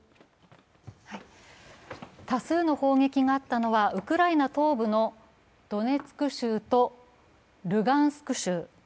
多数の砲撃があったのはウクライナ東部のドネツク州とルガンスク州。